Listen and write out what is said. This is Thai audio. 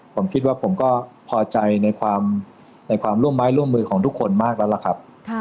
ผมคิดว่าผมก็พอใจในความร่วมไม้ร่วมมือของทุกคนมากแล้วล่ะครับ